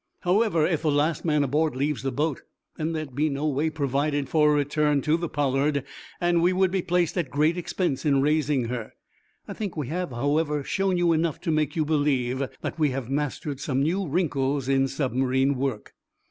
"However, if the last man aboard leaves the boat then there is no way provided for a return to the 'Pollard,' and we would be placed at great expense in raising her. I think we have, however, shown you enough to make you believe that we have mastered some new wrinkles in submarine work."